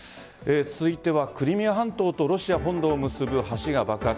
続いてはクリミア半島とロシア本土を結ぶ橋が爆発。